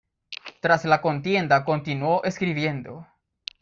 Tras la contienda continuó escribiendo.